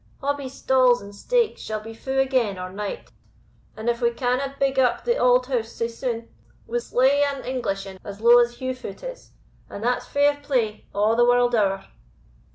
Hobbie's stalls and stakes shall be fou again or night; and if we canna big up the auld house sae soon, we'se lay an English ane as low as Heugh foot is and that's fair play, a' the warld ower."